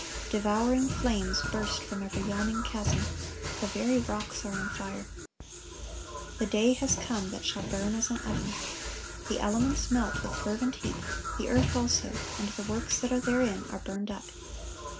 Devouring flames burst from every yawning chasm. The very rocks are on fire. The day has come that shall burn as an oven. The elements melt with fervent heat, the earth also, and the works that are therein are burned up.